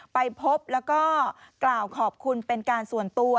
ไปพบแล้วก็กล่าวขอบคุณเป็นการส่วนตัว